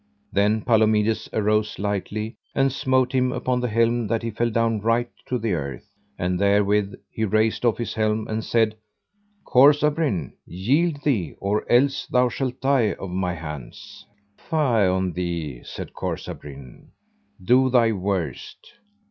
Then Palomides arose lightly, and smote him upon the helm that he fell down right to the earth. And therewith he raced off his helm and said: Corsabrin, yield thee or else thou shalt die of my hands. Fie on thee, said Corsabrin, do thy worst.